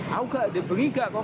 mau nggak dia beriga kok